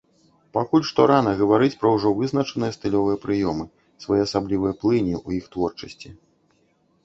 Пакуль што рана гаварыць пра ўжо вызначаныя стылёвыя прыёмы, своеасаблівыя плыні ў іх творчасці.